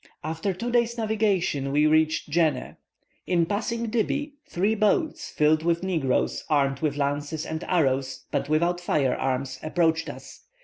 "After two days' navigation we reached Djenneh. In passing Dibby, three boats, filled with negroes armed with lances and arrows, but without fire arms, approached us.